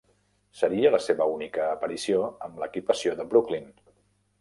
Seria la seva única aparició amb l'equipació del Brooklyn.